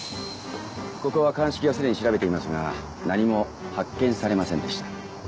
ここは鑑識がすでに調べていますが何も発見されませんでした。